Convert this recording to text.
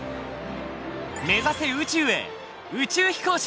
目指せ宇宙へ宇宙飛行士！